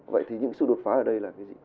vậy thì những sự đột phá ở đây là cái gì